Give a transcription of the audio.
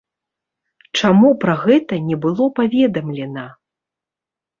Чаму пра гэта не было паведамлена?